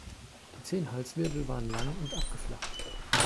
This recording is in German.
Die zehn Halswirbel waren lang und abgeflacht.